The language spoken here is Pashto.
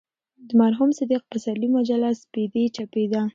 د مرحوم صدیق پسرلي مجله "سپېدې" چاپېده.